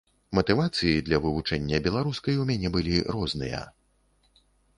Матывацыі для вывучэння беларускай у мяне былі розныя.